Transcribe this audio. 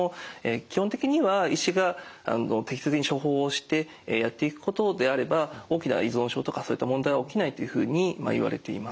基本的には医師が適切に処方してやっていくことであれば大きな依存症とかそういった問題は起きないというふうにいわれています。